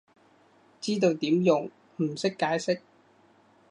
知道點用，唔識解釋